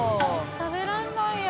食べられないよ。